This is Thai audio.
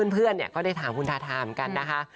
เพื่อนก็ได้ถามคุณทาทาเหมือนกันนะคะ